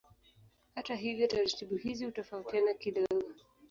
Hata hivyo taratibu hizi hutofautiana kidogo.